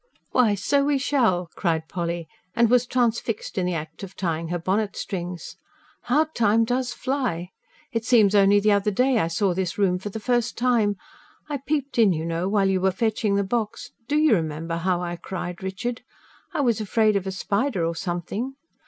"Why, so we shall!" cried Polly, and was transfixed in the act of tying her bonnet strings. "How time does fly! It seems only the other day I saw this room for the first time. I peeped in, you know, while you were fetching the box. DO you remember how I cried, Richard? I was afraid of a spider or something."